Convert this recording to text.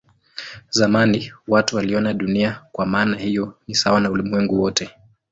Zamani watu waliona Dunia kwa maana hiyo ni sawa na ulimwengu wote.